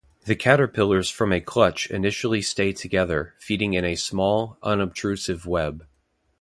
The caterpillars from a clutch initially stay together, feeding in a small, unobtrusive web.